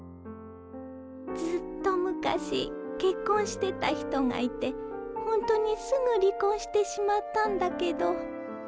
ずっと昔結婚してた人がいてほんとにすぐ離婚してしまったんだけど。